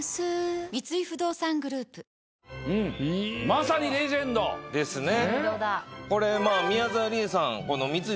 まさにレジェンド。ですね。